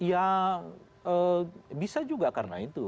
ya bisa juga karena itu